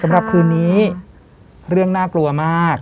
สำหรับคืนนี้เรื่องน่ากลัวมาก